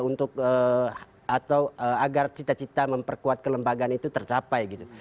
untuk atau agar cita cita memperkuat kelembagaan itu tercapai gitu